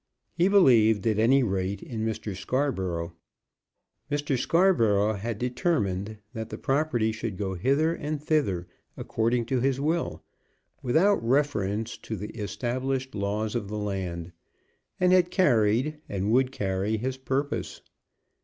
He believed, at any rate, in Mr. Scarborough. Mr. Scarborough had determined that the property should go hither and thither according to his will, without reference to the established laws of the land, and had carried, and would carry his purpose.